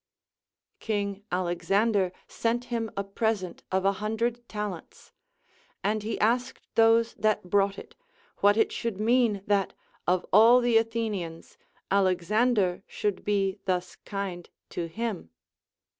King Alexander sent him a present of a hundred talents ; and he asked those that brought it, what it should mean that, of all the Athenians. Alexander should be thus kind to him.